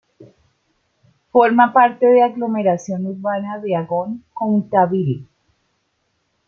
Forma parte de la aglomeración urbana de Agon-Coutainville.